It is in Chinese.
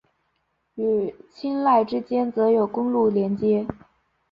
与钦奈之间则有公路连接。